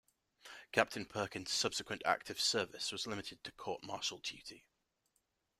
Captain Perkins' subsequent active service was limited to court-martial duty.